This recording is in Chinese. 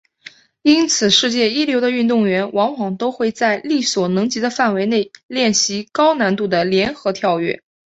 因此世界一流的运动员往往都会在力所能及的范围内练习高难度的联合跳跃。